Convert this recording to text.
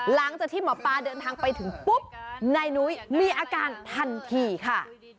หลังจากที่หมอปลาเดินทางไปถึงปุ๊บนายนุ้ยมีอาการทันทีค่ะ